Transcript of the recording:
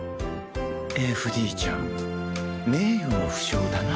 ＦＤ ちゃん名誉の負傷だな